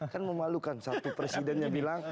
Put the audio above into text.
kan memalukan satu presidennya bilang